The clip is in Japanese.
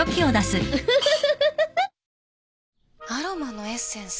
アロマのエッセンス？